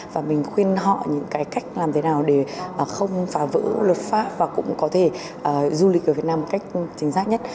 và mình khuyên họ những cái cách làm thế nào để không phá vỡ luật pháp và cũng có thể du lịch ở việt nam một cách chính xác nhất